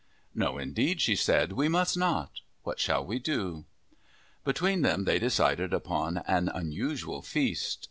"No indeed," she said, "we must not. What shall we do?" Between them they decided upon an unusual feast.